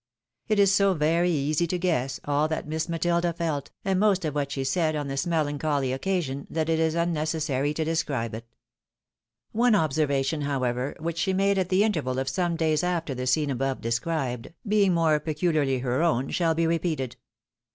It is so very easy to guess aU that Miss Matilda felt, and most of what she said, on this melancholy occasion, that it is unnecessary to describe it. One observation, however, which she made at the interval of some days after the scene above described, being more peculiarly her own, shall be repeated.